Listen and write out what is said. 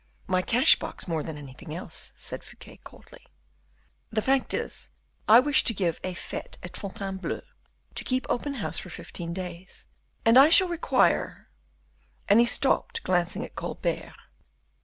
"My cash box more than anything else," said Fouquet, coldly. "The fact is, I wish to give a fete at Fontainebleau to keep open house for fifteen days, and I shall require " and he stopped, glancing at Colbert.